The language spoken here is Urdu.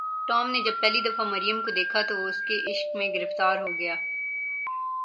ٹام نے جب پہلی دفعہ مریم کو دیکھا تو وہ اس کے عشق میں گرفتار ہو گیا۔